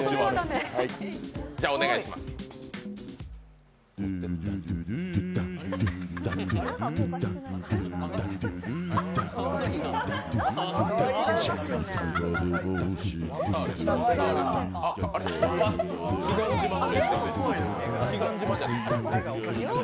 じゃ、お願いします。